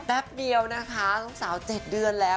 แป๊บเดียวนะคะน้องสาว๗เดือนแล้ว